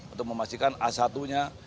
untuk memastikan a satu nya